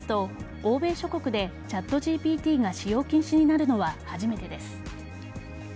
ロイター通信によりますと欧米諸国でＣｈａｔＧＰＴが使用禁止になるのは初めてです。